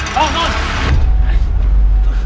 tunggu sebentar omar